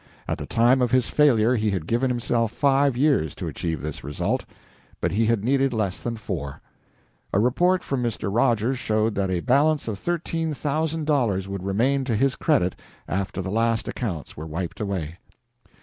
At the time of his failure he had given himself five years to achieve this result. But he had needed less than four. A report from Mr. Rogers showed that a balance of thirteen thousand dollars would remain to his credit after the last accounts were wiped away.